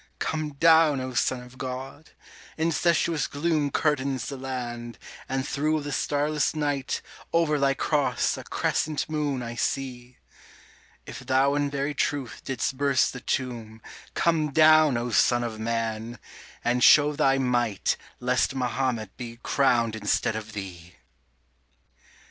Come down, O Son of God! incestuous gloom Curtains the land, and through the starless night Over Thy Cross a Crescent moon I see! If Thou in very truth didst burst the tomb Come down, O Son of Man! and show Thy might Lest Mahomet be crowned instead of Thee!